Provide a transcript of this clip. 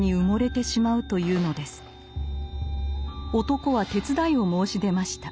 男は手伝いを申し出ました。